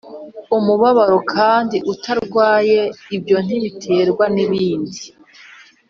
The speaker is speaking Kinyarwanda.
umubabaro kandi utarwaye Ibyo ntibiterwa n ikindi